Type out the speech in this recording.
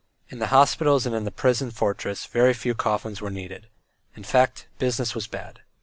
In the hospital and in the prison fortress very few coffins were needed. In fact business was bad.